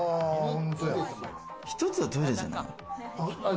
１つはトイレじゃない？